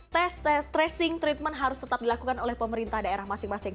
tes tracing treatment harus tetap dilakukan oleh pemerintah daerah masing masing